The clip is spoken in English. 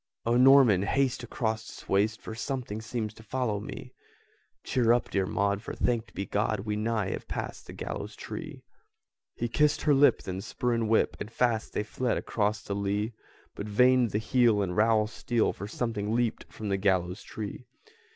"O Norman, haste across this waste For something seems to follow me!" "Cheer up, dear Maud, for, thanked be God, We nigh have passed the gallows tree!" He kissed her lip; then spur and whip! And fast they fled across the lea! But vain the heel and rowel steel, For something leaped from the gallows tree!